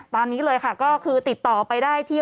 นี้เลยค่ะก็คือติดต่อไปได้ที่